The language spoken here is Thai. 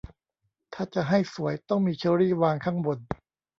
ถ้าจะให้สวยต้องมีเชอร์รี่วางข้างบน